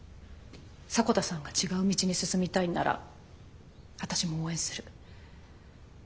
迫田さんが違う道に進みたいんなら私も応援する。